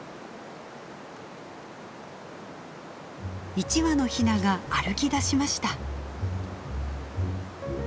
１羽のヒナが歩きだしました。